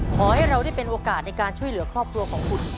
ขอให้เราได้เป็นโอกาสในการช่วยเหลือครอบครัวของคุณ